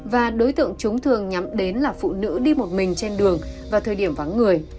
và đối tượng chúng thường nhắm đến là phụ nữ đi một mình trên đường vào thời điểm vắng người